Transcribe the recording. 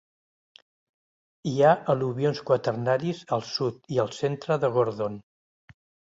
Hi ha al·luvions quaternaris al sud i al centre de Gordon.